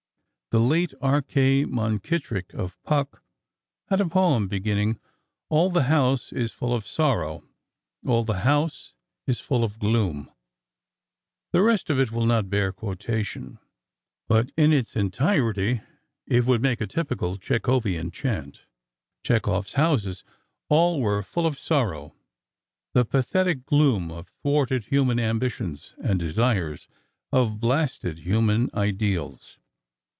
The late R. K. Munkittrick, of Puck, had a poem beginning: "All the house is full of sorrow, all the house is full of gloom"; the rest of it will not bear quotation, but in its entirety, it would make a typical Chekhovian chant. Chekhov's houses all were full of sorrow—the pathetic gloom of thwarted human ambitions and desires, of blasted human ideals.